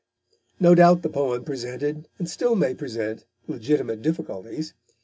No doubt the poem presented and still may present legitimate difficulties.